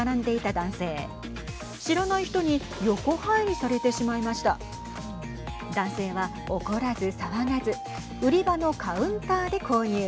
男性は怒らず騒がず売り場のカウンターで購入。